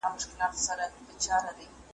چي خپلواک مي کړي له واک د غلامانو `